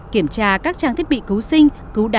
kiểm tra các trang thiết bị cứu sinh cứu đá